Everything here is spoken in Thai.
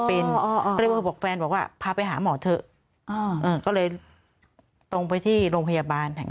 ก็เลยโทรบอกแฟนบอกว่าพาไปหาหมอเถอะก็เลยตรงไปที่โรงพยาบาลแห่ง